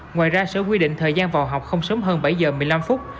ngoài ra sở quy định thời gian vào học không sớm hơn bảy giờ một mươi năm phút